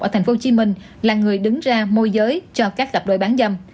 ở tp hcm là người đứng ra môi giới cho các cặp đôi bán dâm